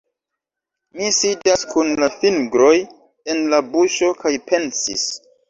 Mi sidas kun la fingroj en la buŝo kaj pensis